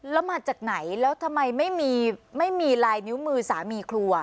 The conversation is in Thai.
แล้วมาจากไหนแล้วทำไมไม่มีลายนิ้วมือสามีครัว